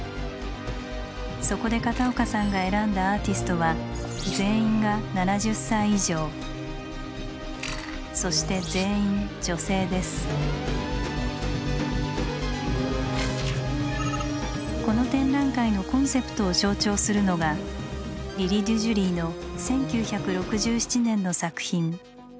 そこで片岡さんが選んだアーティストはそしてこの展覧会のコンセプトを象徴するのがリリ・デュジュリーの１９６７年の作品「バランス」。